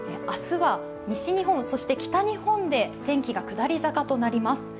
明日は西日本、そして北日本で天気が下り坂となります。